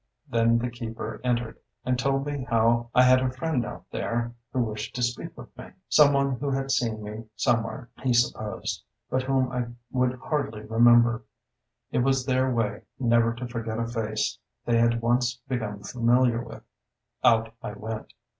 Then the keeper entered and told me how I had a friend out there who wished to speak with me, some one who had seen me somewhere, he supposed, but whom I would hardly remember. It was their way never to forget a face they had once become familiar with. Out I went.